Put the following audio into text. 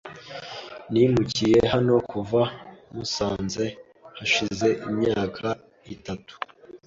Nimukiye hano kuva Musanze hashize imyaka itatu.